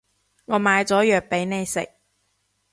我買咗藥畀你食